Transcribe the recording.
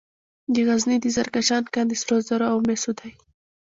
د غزني د زرکشان کان د سرو زرو او مسو دی.